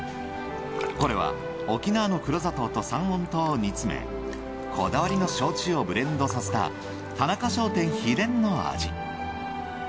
これは沖縄の黒砂糖と三温糖を煮詰めこだわりの焼酎をブレンドさせた田中商店秘伝の味。